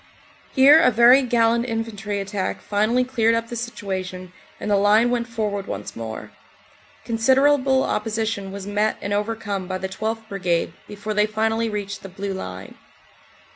Here a very gallant infantry attack finally cleared up the situation and the line went forward once more. Considerable opposition was met and overcome by the 12th. Brigade before they finally reached the Blue Line.